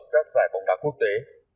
các giải bóng đá quốc tế